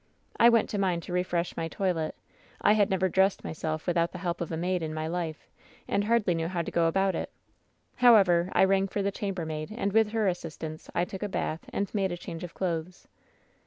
"I went to mine to refresh my toilet. I had never dressed myself without the help of a maid in my life, and hardly knew how to go about it. However, 1 rang for the chambermaid, and with her assistance I took a bath and made a change of clothes.